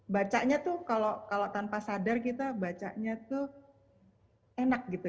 bacanya tuh kalau tanpa sadar kita bacanya tuh enak gitu